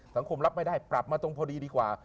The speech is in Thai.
รับไม่ได้ปรับมาตรงพอดีดีกว่า